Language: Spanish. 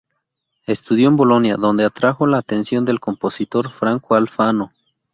Estudió en Bolonia donde atrajo la atención del compositor Franco Alfano.